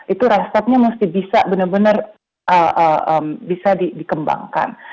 itu restopnya mesti bisa benar benar bisa dikembangkan